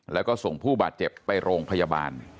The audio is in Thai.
แล้วก็ส่งผู้บาดเจ็บไปโรงพยาบาล